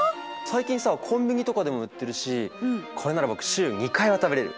最近さコンビニとかでも売ってるしこれなら僕週２回は食べれる。